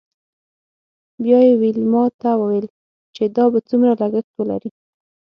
بیا یې ویلما ته وویل چې دا به څومره لګښت ولري